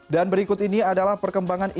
dan berikut ini adalah perkembangan insuransi